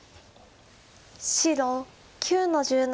白９の十七。